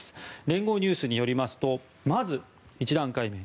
連合ニュースによりますとまず１段階目